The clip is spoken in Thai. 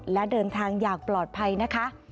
และเดินทางอย่างปลอดภัยนะคะ